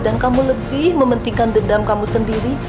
dan kamu lebih mementingkan dendam kamu sendiri